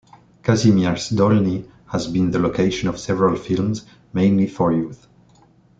Kazimierz Dolny has been the location of several films, mainly for youth.